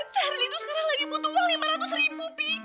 syahril itu sekarang lagi butuh uang lima ratus ribu pi